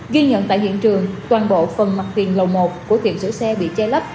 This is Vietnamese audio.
ghi nhận tại hiện trường toàn bộ phần mặt tiền lầu một của tiệm sửa xe bị che lấp